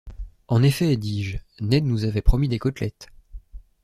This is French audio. En effet, dis-je, Ned nous avait promis des côtelettes